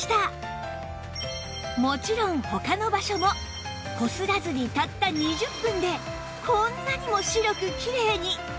もちろん他の場所もこすらずにたった２０分でこんなにも白くキレイに！